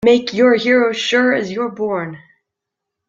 Make you're a hero sure as you're born!